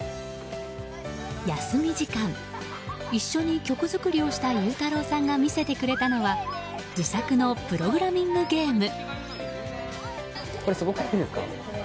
休み時間、一緒に曲作りをした勇太郎さんが見せてくれたのは自作のプログラミングゲーム。